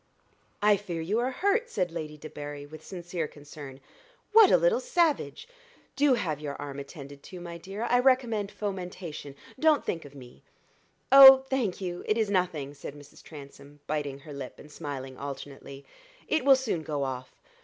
"I fear you are hurt," said Lady Debarry, with sincere concern. "What a little savage! Do have your arm attended to, my dear I recommend fomentation don't think of me." "Oh, thank you, it is nothing," said Mrs. Transome, biting her lip and smiling alternately; "it will soon go off.